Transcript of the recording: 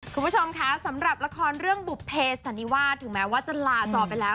คุณผู้ชมคะสำหรับละครเรื่องบุภเพสันนิวาสถึงแม้ว่าจะลาจอไปแล้ว